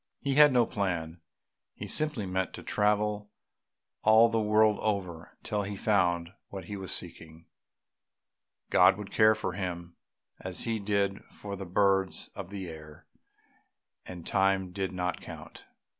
He had no plan, he simply meant to travel all the world over till he found what he was seeking; God would care for him as He did for the birds of the air, and time did not count.